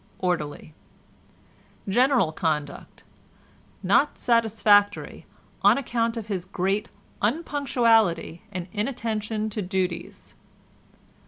—Orderly. General Conduct—Not satisfactory, on account of his great unpunctuality and inattention to duties.